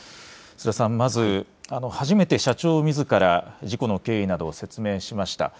須田さん、まず社長みずから事故の経緯などを説明しました。